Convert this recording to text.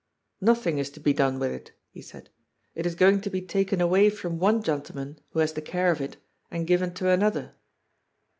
" Nothing is to be done with it," he said. " It is going to be taken away from one gentleman who has the care of it and given to another."